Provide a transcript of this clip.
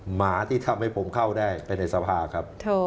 หมาที่ทำให้ผมเข้าได้ไปในสภาครับ